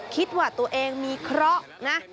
คิดว่าตัวเองมีเคราะห์นะ